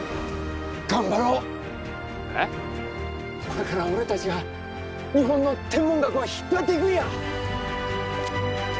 これから俺たちが日本の天文学を引っ張っていくんや！